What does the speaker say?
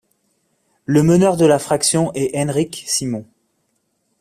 Le meneur de la fraction est Heinrich Simon.